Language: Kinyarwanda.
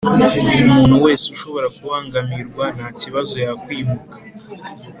Umuntu wese ushobora kubangamirwa ntakibazo yakwimuka